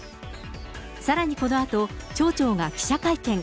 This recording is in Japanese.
さらにこのあと、町長が記者会見。